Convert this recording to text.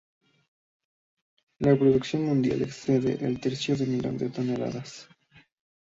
La producción mundial excede el tercio de millón de toneladas.